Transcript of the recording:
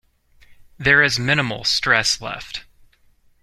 There is minimal stress left.